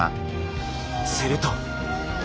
すると。